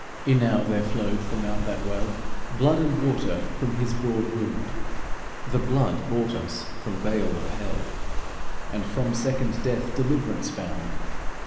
"Enow there flowed from out that well, Blood and water from His broad wound: The blood bought us from bale of hell, And from second death deliverance found.